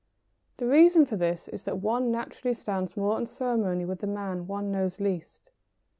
The reason for this is that one naturally stands more on ceremony with the man one knows least.